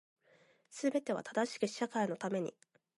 全ては正しき社会のために